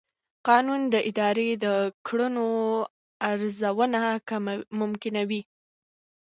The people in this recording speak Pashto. قانون د ادارې د کړنو ارزونه ممکنوي.